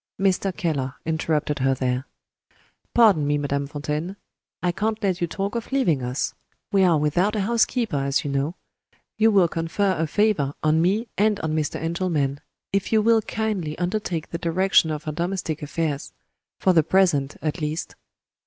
Mr. Keller interrupted her there. "Pardon me, Madame Fontaine; I can't let you talk of leaving us. We are without a housekeeper, as you know. You will confer a favor on me and on Mr. Engelman, if you will kindly undertake the direction of our domestic affairs for the present, at least.